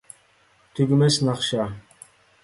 تۈگىمەس ناخشا